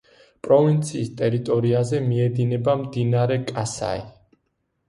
პროვინციის ტერიტორიაზე მიედინება მდინარე კასაი.